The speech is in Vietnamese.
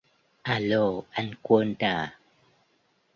Alo Anh Quân à